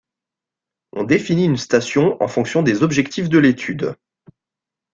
On définit une station en fonction des objectifs de l'étude.